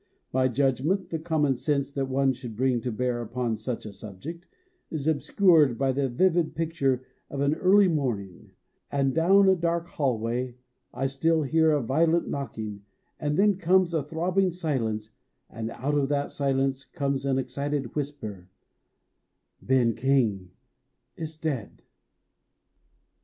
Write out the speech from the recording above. My judg ment, the common sense that one should bring to bear upon such a subject, is obscured by the vivid picture of an early morning ; and down a dark hallway I still hear a violent knock ing and then comes a throbbing silence and out of that silence comes an excited whisper " Ben King is dead."